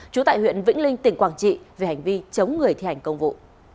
trú tại huyện vĩnh linh tỉnh quảng trị về hành vi chống người thi hành công vụ